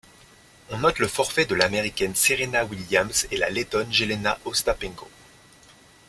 On note le forfait de l'Américaine Serena Williams et la Lettonne Jeļena Ostapenko.